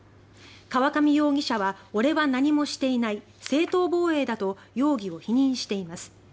河上容疑者は俺は何もしていない正当防衛だと容疑を否認しています。